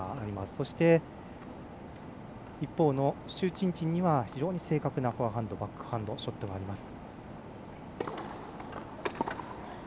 そして、一方の朱珍珍には非常に正確なフォアハンドバックハンドショットがあります。